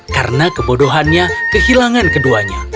karena kebodohannya kehilangan keduanya